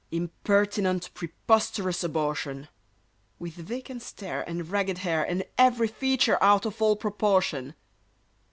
Impertinent, preposterous abortion! With vacant stare, And ragged hair, And every feature out of all proportion!